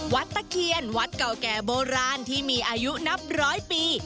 ตะเคียนวัดเก่าแก่โบราณที่มีอายุนับร้อยปี